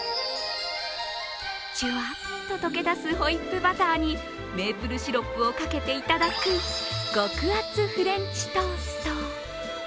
じゅわっと溶け出すホイップバターにメープルシロップをかけていただく極厚フレンチトースト。